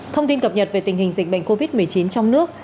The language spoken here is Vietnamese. thông tin cập nhật về tình hình dịch bệnh covid một mươi chín trong nước